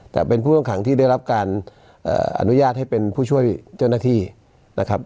แต่เป็นผู้ต้องขังที่ได้รับการอนุญาตให้เป็นผู้ช่วยเจ้าหน้าที่นะครับ